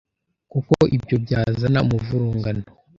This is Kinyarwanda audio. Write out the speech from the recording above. kuko ibyo byazana umuvurungano